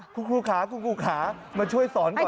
คุณครูขาคุณครูขามาช่วยสอนก่อน